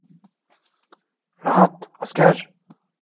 Rahat, asker.